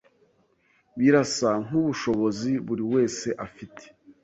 Birasa nkubushobozi buriwese afite.